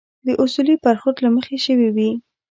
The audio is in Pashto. د اصولي برخورد له مخې شوي وي.